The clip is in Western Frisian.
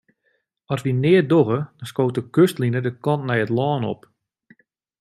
As wy neat dogge, dan skoot de kustline de kant nei it lân op.